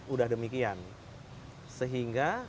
udah demikian sehingga